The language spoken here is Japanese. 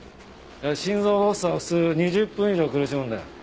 心臓発作は普通２０分以上苦しむんだよ。